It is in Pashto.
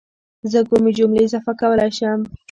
زه کومې جملې اضافه کولای شم